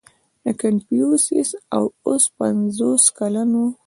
• کنفوسیوس اوس پنځوس کلن و.